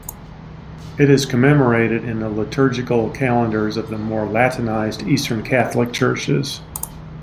It is commemorated in the liturgical calendars of the more Latinized Eastern Catholic Churches.